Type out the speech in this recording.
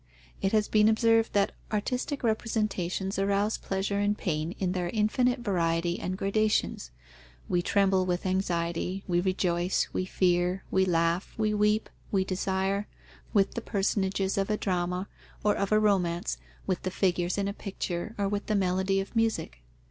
It has been observed that "artistic representations arouse pleasure and pain in their infinite variety and gradations. We tremble with anxiety, we rejoice, we fear, we laugh, we weep, we desire, with the personages of a drama or of a romance, with the figures in a picture, or with the melody of music.